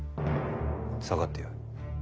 下がってよい。